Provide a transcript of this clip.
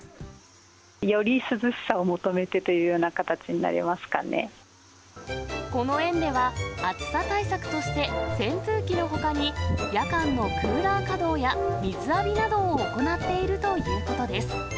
より涼しさを求めてというよこの園では、暑さ対策として、扇風機のほかに、夜間のクーラー稼働や、水浴びなどを行っているということです。